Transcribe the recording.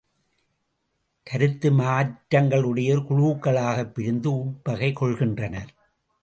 கருத்து மாற்றங்களுடையோர் குழூஉக்களாகப் பிரிந்து உட்பகை கொள்கின்றனர்.